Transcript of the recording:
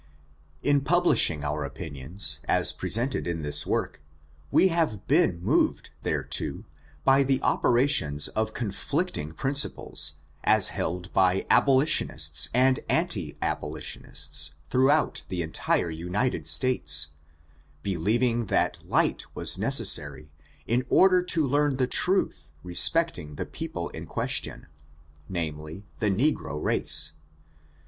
In publishing our opinions, as presented in this work, we have been moved thereto, by the operations of conflicting principles, as held by abolitionists and anti abolitionists, throughout the entire United States, believing that light was necessary, in order to learn the truth respecting the people in question, namely, the negro race.